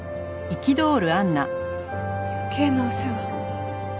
余計なお世話。